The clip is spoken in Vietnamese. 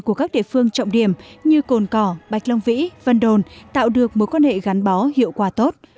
của các địa phương trọng điểm như cồn cỏ bạch long vĩ vân đồn tạo được mối quan hệ gắn bó hiệu quả tốt